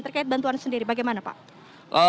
terkait bantuan sendiri bagaimana pak